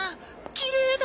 きれいだ！